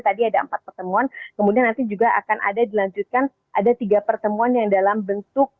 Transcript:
tadi ada empat pertemuan kemudian nanti juga akan ada dilanjutkan ada tiga pertemuan yang dalam bentuk